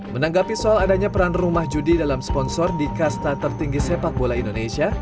menanggapi soal adanya peran rumah judi dalam sponsor di kasta tertinggi sepak bola indonesia